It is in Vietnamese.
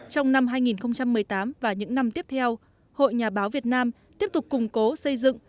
trong năm hai nghìn một mươi tám và những năm tiếp theo hội nhà báo việt nam tiếp tục củng cố xây dựng